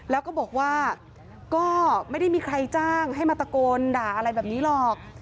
แล้วก็บอกว่าก็ไม่ได้มีใครจ้างให้มาตะโกนด่าอะไรแบบนี้หรอก